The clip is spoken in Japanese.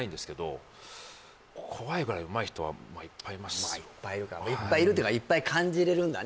そこがあんまりいっぱいいるかいっぱいいるっていうかいっぱい感じれるんだね